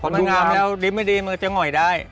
เพราะมันงามแล้วดิมไม่ดีมันโหยได้